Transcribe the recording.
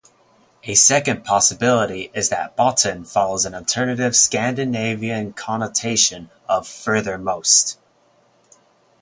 A second possibility is that "botten" follows an alternative Scandinavian connotation of 'furthermost'.